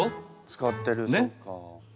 使ってるそっか。